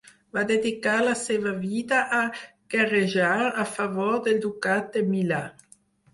Va dedicar la seva vida a guerrejar a favor del Ducat de Milà.